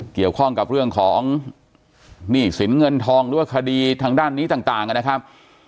เกี่ยวข้องกับเรื่องของหนี้สินเงินทองหรือว่าคดีทางด้านนี้ต่างนะครับ